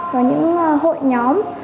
vào những hội nhóm